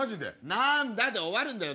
「なんだ？」で終わるんだよ。